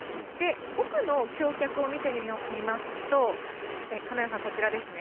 奥の橋脚を見てみますと、カメラさん、こちらですね。